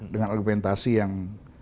dengan argumentasi yang